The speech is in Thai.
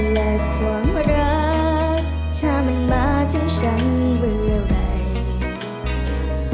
และความรักถ้ามันมาถึงฉันเวลาไหร่